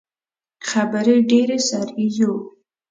خبرې ډیرې، سر یی یو